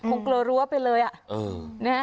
คงเกลอรั้วไปเลยอ่ะ